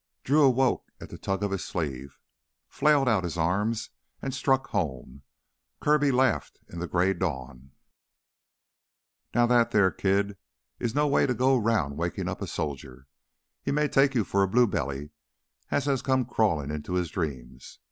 Drew awoke at a tug of his sleeve, flailed out his arm, and struck home. Kirby laughed in the gray dawn. "Now that theah, kid, is no way to go 'round wakin' up a soldier. He may take you for a blue belly as has come crawlin' into his dreams.